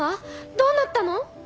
どうなったの？